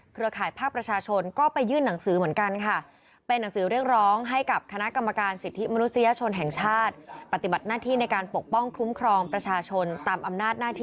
ข่ายภาคประชาชนก็ไปยื่นหนังสือเหมือนกันค่ะ